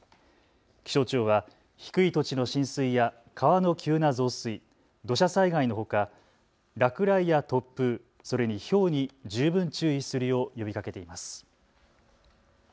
気象庁は低い土地の浸水や川の急な増水、土砂災害のほか落雷や突風、それにひょうに十分注意するよう呼びかけています。